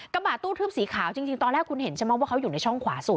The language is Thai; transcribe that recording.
กระบะตู้ทึบสีขาวจริงตอนแรกคุณเห็นใช่ไหมว่าเขาอยู่ในช่องขวาสุด